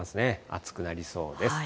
暑くなりそうです。